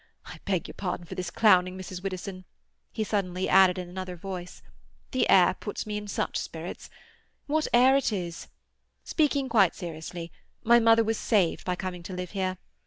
—I beg your pardon for this clowning, Mrs. Widdowson," he suddenly added in another voice. "The air puts me in such spirits. What air it is! Speaking quite seriously, my mother was saved by coming to live here.